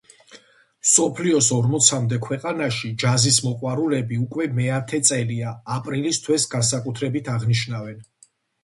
მსოფლიოს ორმოცამდე ქვეყანაში ჯაზის მოყვარულები უკვე მეათე წელია აპრილის თვეს განსაკუთრებით აღნიშნავენ.